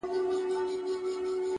پوهه د امکاناتو نړۍ پراخوي,